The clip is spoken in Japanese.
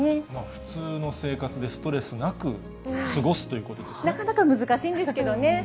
普通の生活でストレスなく過なかなか難しいんですけどね。